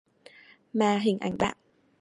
Mà hình ảnh bạn